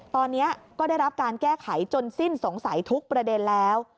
ตอนนี้ก็ได้รับการแก้ไขจนสิ้นสงสัยทุกประเด็นแล้ว